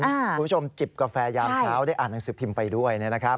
คุณผู้ชมจิบกาแฟยามเช้าได้อ่านหนังสือพิมพ์ไปด้วยนะครับ